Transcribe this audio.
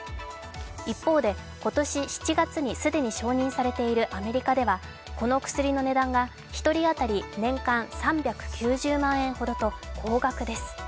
一方で今年７月に既に承認されているアメリカではこの薬の値段が１人当たり年間３９０万円ほどと高額です。